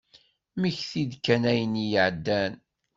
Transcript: Mmekti-d kan ayen iɛeddan.